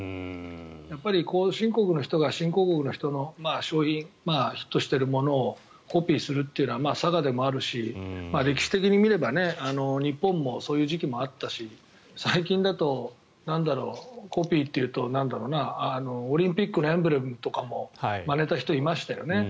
やっぱり後進国の人が新興国の人の商品、ヒットしているものをコピーするというのはさがでもあるし歴史的に見れば日本もそういう時期もあったし最近だと、コピーというとオリンピックのエンブレムとかもまねた人がいましたよね。